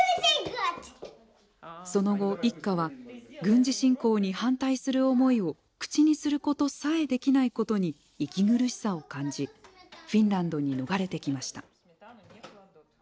その後一家は軍事侵攻に反対する思いを口にすることさえできないことに息苦しさを感じフィンランドに逃れてきました。